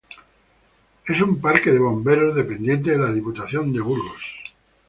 Es un parque de bomberos dependiente de la Diputación de Burgos.